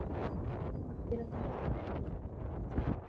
আপনিও এরকমটা ভাবেন?